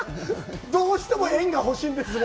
どうしても縁が欲しいんですね！